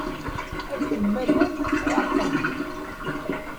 Akken ma llant ɣerqent.